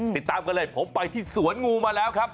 ติดตามกันเลยผมไปที่สวนงูมาแล้วครับ